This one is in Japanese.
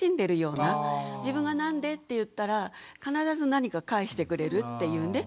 自分が「なんで？」って言ったら必ず何か返してくれるっていうね。